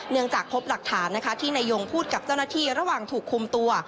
จากพบหลักฐานนะคะที่นายงพูดกับเจ้าหน้าที่ระหว่างถูกคุมตัว